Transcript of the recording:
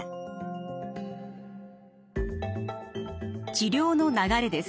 治療の流れです。